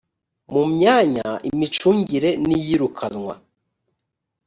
mu myanya imicungire n iyirukanwa